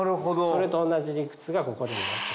それと同じ理屈がここでも。